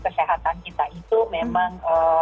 kesehatan kita itu memang